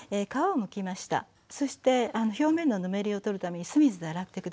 そして表面のぬめりを取るために酢水で洗って下さい。